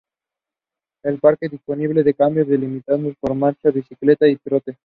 El parque dispone de caminos delimitados para marcha, bicicleta y trote.